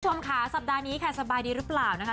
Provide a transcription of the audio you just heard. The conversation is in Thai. คุณผู้ชมค่ะสัปดาห์นี้ค่ะสบายดีหรือเปล่านะคะ